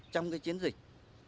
trong cái chiến dịch